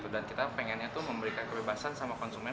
dan kita pengennya memberikan kebebasan sama konsumen